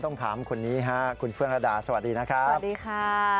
ต้องถามคนนี้ฮะคุณเฟื่องระดาสวัสดีนะครับสวัสดีค่ะ